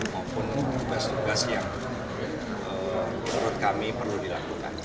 maupun tugas tugas yang menurut kami perlu dilakukan